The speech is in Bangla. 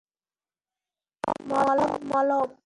মলম, মলম।